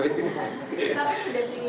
tapi sudah di